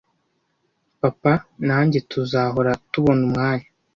Papa nanjye tuzahora tubona umwanya